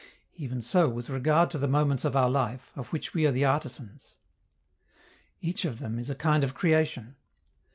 Even so with regard to the moments of our life, of which we are the artisans. Each of them is a kind of creation.